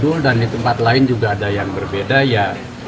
di gunung kidul dan di tempat lain juga ada yang berbeda